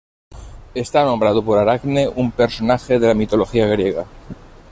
Está nombrado por Aracne, un personaje de la mitología griega.